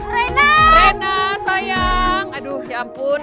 rena sayang aduh ya ampun